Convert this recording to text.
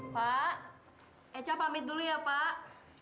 pak eca pamit dulu ya pak